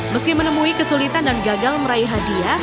meski menemui kesulitan dan gagal meraih hadiah